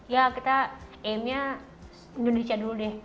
ya kita inginnya indonesia dulu deh